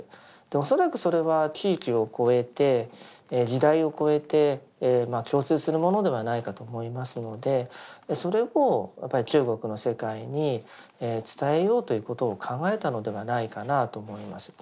恐らくそれは地域を超えて時代を超えて共通するものではないかと思いますのでそれをやっぱり中国の世界に伝えようということを考えたのではないかなあと思います。